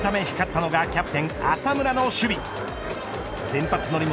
このリードを守るため光ったのがキャプテン浅村の守備。